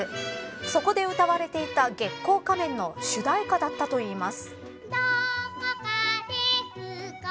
そこで歌われていた月光仮面の主題歌だったといいます。